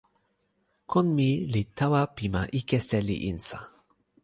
kon mi li tawa pi ma ike seli insa.